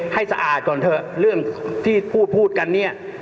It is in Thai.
สะอาดก่อนเถอะเรื่องที่พูดพูดกันเนี่ย